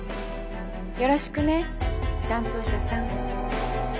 よろしくね担当者さん。